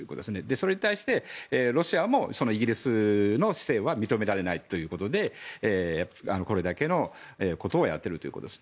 それに対して、ロシアもイギリスの姿勢は認められないということでこれだけのことをやっているということです。